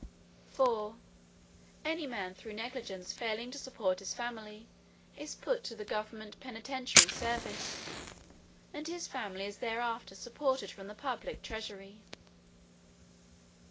4. Any man through negligence failing to support his family is put to the government penitentiary service, and his family is thereafter supported from the public treasury.